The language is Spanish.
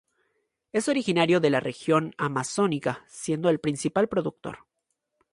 Es originario de la región amazónica, siendo el principal productor.